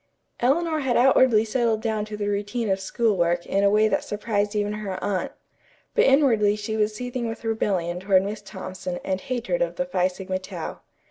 Eleanor had outwardly settled down to the routine of school work in a way that surprised even her aunt. But inwardly she was seething with rebellion toward Miss Thompson and hatred of the Phi Sigma Tau.